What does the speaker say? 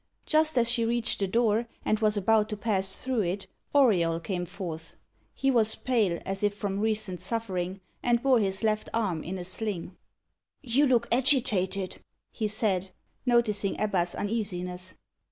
Just as she reached the door, and was about to pass through it, Auriol came forth. He was pale, as if from recent suffering, and bore his left arm in a sling. "You look agitated," he said, noticing Ebba's uneasiness.